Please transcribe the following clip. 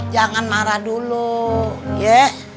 jangan marah dulu ye